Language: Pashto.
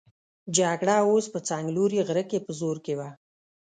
جګړه اوس په څنګلوري غره کې په زور کې وه.